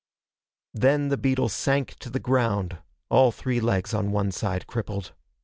Then the beetle sank to the ground, all three legs on one side crippled.